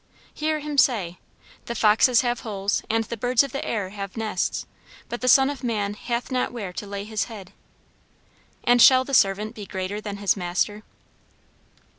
Hear Him say, 'The foxes have holes, and the birds of the air have nests, but the Son of Man hath not where to lay his head.' And shall the servant be greater than his Master?"